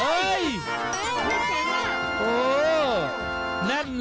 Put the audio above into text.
เฮยกตำบล